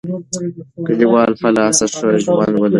کلیوال به لا ښه ژوند ولري.